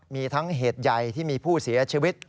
มีทั้งเหตุใหญ่ที่มีผู้เสียชีวิต